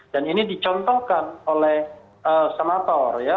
dan ini dicontohkan oleh senator ya